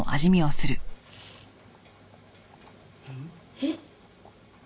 えっ。